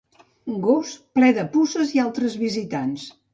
Gos ple de puces i altres visitants.